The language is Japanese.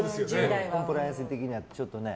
コンプライアンス的にはちょっとね。